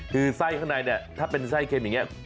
คือไส้ข้างในเนี่ยถ้าเป็นไส้เค็มอย่างนี้